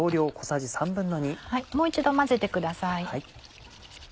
もう一度混ぜてください。